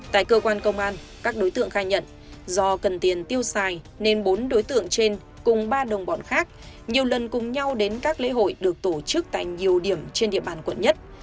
tại cơ quan công an các đối tượng khai nhận do cần tiền tiêu xài nên bốn đối tượng trên cùng ba đồng bọn khác nhiều lần cùng nhau đến các lễ hội được tổ chức tại nhiều điểm trên địa bàn quận nhất